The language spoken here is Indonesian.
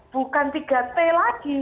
bukan tiga t lagi